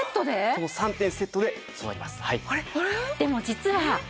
この３点セットでございます。